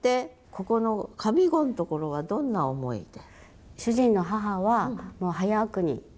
ここの上五のところはどんな思いで？